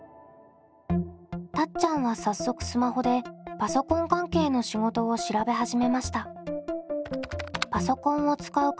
たっちゃんは早速スマホでパソコン関係の仕事を調べ始めました。